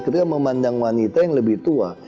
ketika memandang wanita yang lebih tua